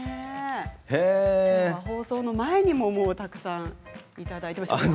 放送の前にもたくさんいただいています。